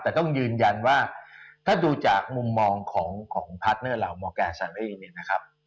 แต่ต้องยืนยันว่าถ้าดูจากมุมมองของพาร์ทเนอร์เรามอร์แกซารี่เนี่ยนะครับ